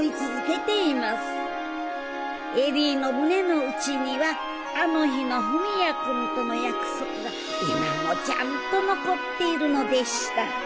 恵里の胸のうちにはあの日の文也君との約束が今もちゃんと残っているのでした。